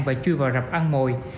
và chui vào rập ăn mồi